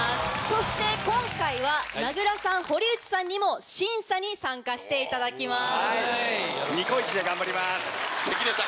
そして今回は名倉さん堀内さんにも審査に参加していただきます。